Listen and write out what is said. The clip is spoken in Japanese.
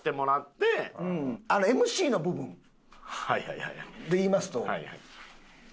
ＭＣの部分で言いますと。